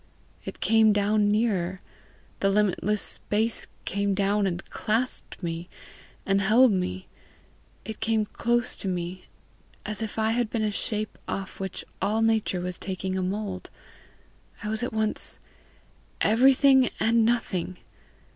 It came down nearer; the limitless space came down, and clasped me, and held me. It came close to me as if I had been a shape off which all nature was taking a mould. I was at once everything and nothing.